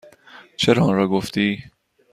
چرا آنرا گفتی؟